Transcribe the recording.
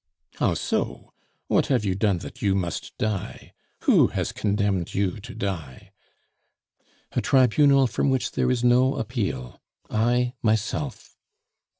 "How so; what have you done that you must die? Who has condemned you to die?" "A tribunal from which there is no appeal I myself."